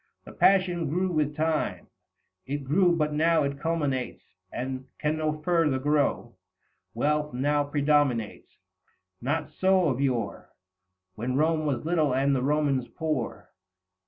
The passion grew with time ; it grew, but now 205 It culminates, and can no further grow. Wealth now predominates ; not so of yore When Rome was little and the Romans poor.